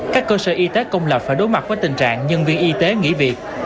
các cơ sở y tế công lập phải đối mặt với tình trạng nhân viên y tế nghỉ việc